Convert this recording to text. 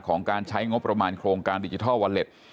การใช้งบประมาณโครงการดิจิทัลวอเล็ต